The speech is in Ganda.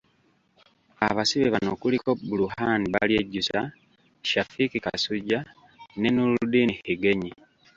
Abasibe bano kuliko Bruhan Balyejjusa, Shafik Kasujja ne Noordin Higenyi.